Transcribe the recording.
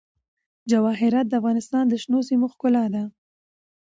جواهرات د افغانستان د شنو سیمو ښکلا ده.